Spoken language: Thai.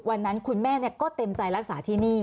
วันนั้นคุณแม่ก็เต็มใจรักษาที่นี่